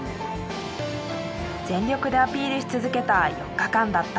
全力でアピールし続けた４日間だった。